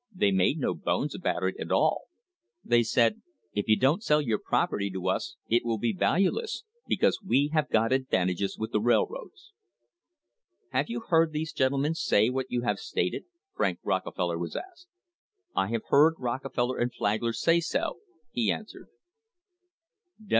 They made no bones about it at all. They said: 'If you don't sell your property to us it will be valueless, because we have got advantages with the railroads.' " "Have you heard those gentlemen say what you have stated?" Frank Rockefeller was asked. "I have heard Rockefeller and Flagler say so," he answered.